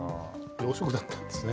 養殖だったんですね。